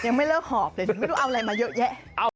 ยังไม่เลิกหอบเลยไม่รู้เอาอะไรมาเยอะแยะ